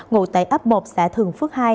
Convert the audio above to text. ngủ tại ấp một xã thường phước hai